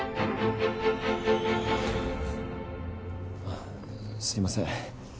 あっすいません。